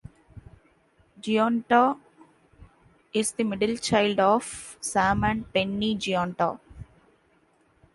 Gionta is the middle child of Sam and Penny Gionta.